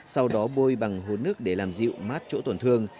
sau đó bôi bằng hồn nước để làm dịu mát chỗ tổn thương